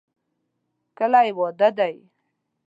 کله یې واده دی؟